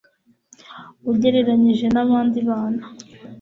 ugereranyije na bandi bana